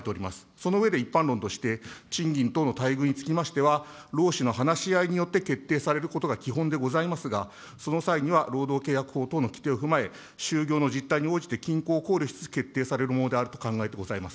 その上で一般論として、賃金等の待遇につきましては、労使の話し合いによって決定されることが基本でございますが、その際には労働契約法等の規定を踏まえ、就業の実態に応じて均衡を考慮しつつ決定されるものであると考えてございます。